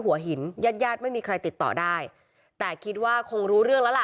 หัวหินญาติญาติไม่มีใครติดต่อได้แต่คิดว่าคงรู้เรื่องแล้วล่ะ